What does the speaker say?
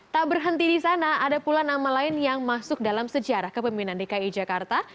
tak berhenti di sana ada pula nama lain yang masuk dalam sejarah kepemimpinan dki jakarta